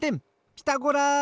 「ピタゴラ」！